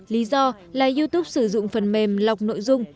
lý do là youtube sử dụng phần mềm lọc nội dung